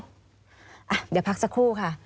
เดี๋ยวพักสักครู่ค่ะ